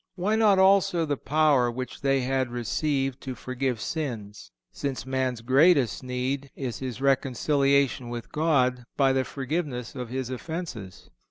Why not also the power which they had received to forgive sins, since man's greatest need is his reconciliation with God by the forgiveness of his offences?